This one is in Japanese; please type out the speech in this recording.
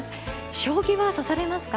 将棋は指されますか？